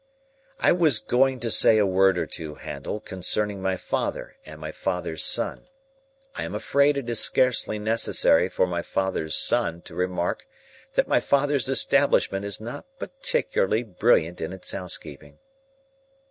"I was going to say a word or two, Handel, concerning my father and my father's son. I am afraid it is scarcely necessary for my father's son to remark that my father's establishment is not particularly brilliant in its housekeeping."